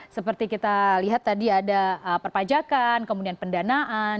seperti kita lihat tadi ada perpajakan kemudian pendanaan